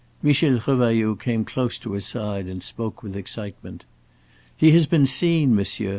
Michel Revailloud came close to his side and spoke with excitement. "He has been seen, monsieur.